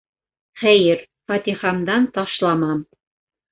Хәйер - фатихамдан ташламам.